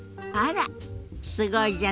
すごいじゃない。